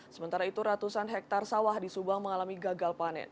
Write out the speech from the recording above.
sementara itu ratusan hektare sawah di subang mengalami gagal panen